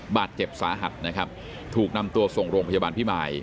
บาดเจ็บสาหัสนะครับถูกนำตัวส่งโรงพยาบาลพิมาย